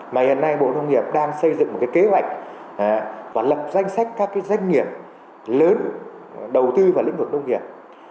mà hiện nay bộ nông nghiệp đang xây dựng một cái kế hoạch và lập danh sách các doanh nghiệp lớn đầu tư vào lĩnh vực nông nghiệp